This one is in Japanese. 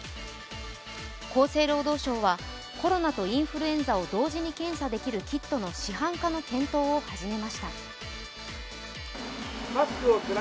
厚生労働省はコロナとインフルエンザを同時に検査できるキットの市販化の検討を始めました。